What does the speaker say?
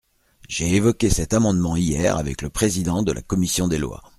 J’ai évoqué cet amendement hier avec le président de la commission des lois.